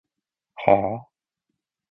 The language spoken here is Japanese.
はぁ？